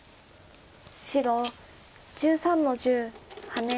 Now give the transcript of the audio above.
白１３の十ハネ。